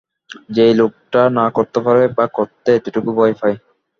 যা এই লোকটা না করতে পারে, বা করতে এতটুকু ভয় পায়।